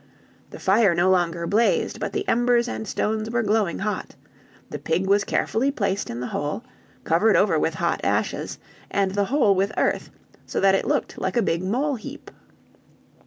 The fire no longer blazed, but the embers and stones were glowing hot; the pig was carefully placed in the hole, covered over with hot ashes, and the hole with earth, so that it looked like a big mole heap.